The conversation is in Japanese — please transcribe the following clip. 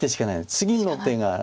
次の手が。